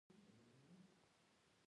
دا همکاري خورا مهمه وه.